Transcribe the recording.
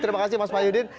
terima kasih mas mayudin